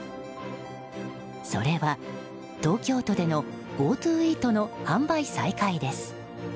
それは、東京都でのＧｏＴｏイートの販売再開です。